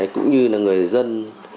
cũng như là người dân